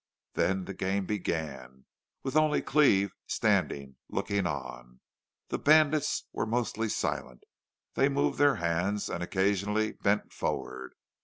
Then the game began, with only Cleve standing, looking on. The bandits were mostly silent; they moved their hands, and occasionally bent forward.